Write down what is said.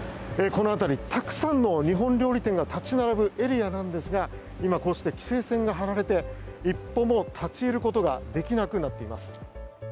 この辺りたくさんの日本料理店が立ち並ぶエリアですが今、こうして規制線が張られて一歩も立ち入ることができなくなっています。